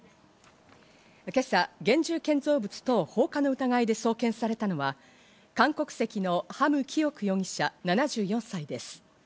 今朝、現住建造物等放火の疑いで送検されたのは韓国籍のハム・キオク容疑者、７４歳です。